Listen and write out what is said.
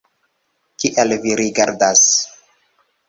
Kial vi rigardas?